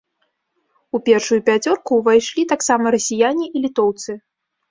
У першую пяцёрку ўвайшлі таксама расіяне і літоўцы.